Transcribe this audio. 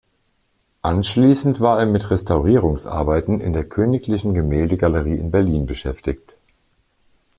Anschließend war er mit Restaurierungsarbeiten in der königlichen Gemäldegalerie in Berlin beschäftigt.